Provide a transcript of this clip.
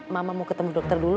mama mau ketemu dokter dulu